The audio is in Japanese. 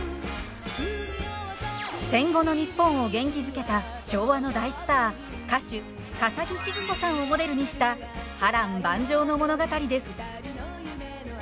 戦後の日本を元気づけた昭和の大スター歌手笠置シヅ子さんをモデルにした波乱万丈の物語です。